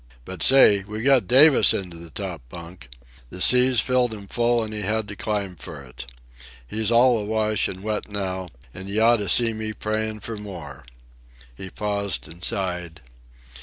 —But, say, we got Davis into the top bunk! The seas filled him full and he had to climb for it. He's all awash and wet now, and you oughta seen me praying for more." He paused and sighed.